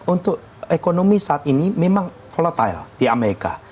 untuk ekonomi saat ini memang volatile di amerika